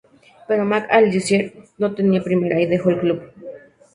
Pero Mac Allister no tenía Primera y dejó el club.